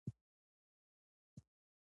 ټولنه که همکاري وکړي، پرمختګ آسانه کیږي.